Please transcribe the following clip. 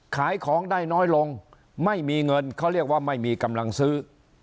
ขายของได้น้อยลงไม่มีเงินเขาเรียกว่าไม่มีกำลังซื้อ